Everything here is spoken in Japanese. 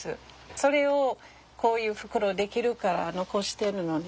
それをこういう袋出来るから残してるのね。